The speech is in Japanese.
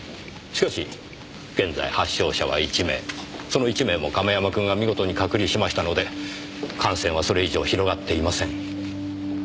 その１名も亀山くんが見事に隔離しましたので感染はそれ以上広がっていません。